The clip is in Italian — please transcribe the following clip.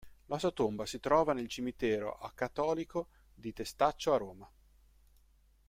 La sua tomba si trova nel Cimitero Acattolico di Testaccio a Roma.